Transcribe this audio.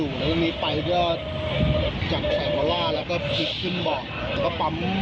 ค้ำหน้าอยู่แล้วมีไฟด้วยกับแขกมะล่าแล้วก็พลิกขึ้นบ่อ